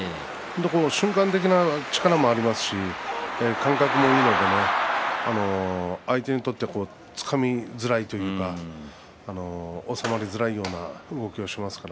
瞬間的な力もありますし感覚もいいので相手にとってつかみづらいというか収まりづらいような動きをしますから。